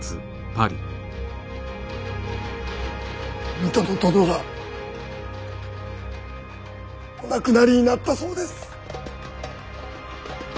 水戸の殿がお亡くなりになったそうです。